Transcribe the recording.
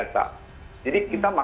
lalu makannya nanti makan seperti biasa